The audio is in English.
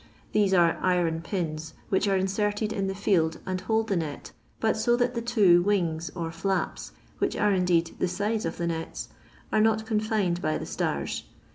These are iron pins, which are inserted in the field, and hold the net, but so that the two " wings," or flaps," which are indeed the sides of the nets, are not confined by the stars.